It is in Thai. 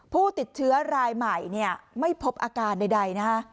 ผู้ติดเชื้อรายใหม่ไม่พบอาการใดนะฮะ